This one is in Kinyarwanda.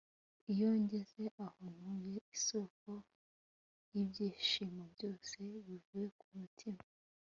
iyo ngeze aho ntuye - isoko, y'ibyishimo byose bivuye ku mutima